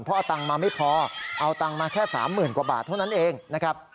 เพราะเอาตังค์มาไม่พอเอาตังค์มาแค่๓๐๐๐กว่าบาทเท่านั้นเองนะครับ